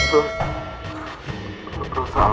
siapa yang harus aku percaya